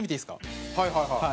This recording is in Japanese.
蛍原：はいはいはい。